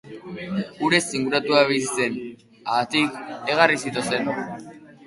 Urez inguratuta bizi zen, haatik, egarriz ito zen.